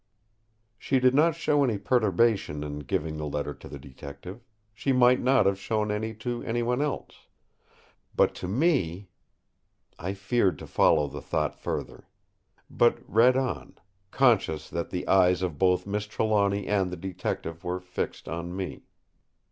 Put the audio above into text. She did not show any perturbation in giving the letter to the Detective—she might not have shown any to anyone else. But to me.... I feared to follow the thought further; but read on, conscious that the eyes of both Miss Trelawny and the Detective were fixed on me.